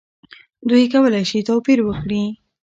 دوی کولی شي توپیر وکړي.